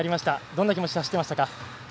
どんな気持ちで走っていましたか。